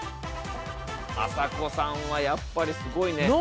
あさこさんはやっぱりすごいね。